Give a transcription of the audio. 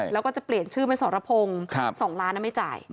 แล้วก็จะเปลี่ยนชื่อเป็นสรพงศ์๒ล้านไม่จ่าย